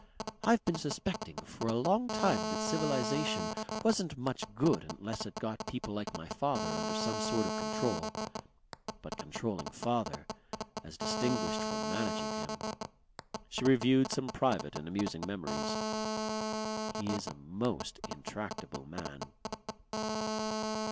I've been suspecting for a long time that Civilization wasn't much good unless it got people like my father under some sort of control. But controlling father as distinguished from managing him!" She reviewed some private and amusing memories. "He is a most intractable man."